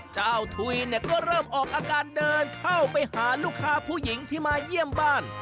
ทุยเนี่ยก็เริ่มออกอาการเดินเข้าไปหาลูกค้าผู้หญิงที่มาเยี่ยมบ้าน